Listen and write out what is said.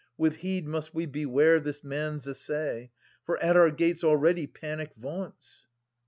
With heed must we beware this man's essay, For at our gates already Panic vaunts.